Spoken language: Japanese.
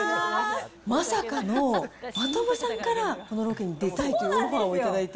まさかの、真飛さんから、このロケに出たいとオファーを頂いて。